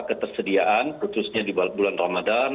ketersediaan khususnya di bulan ramadan